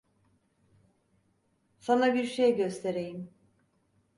Sana bir şey göstereyim.